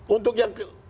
untuk yang ke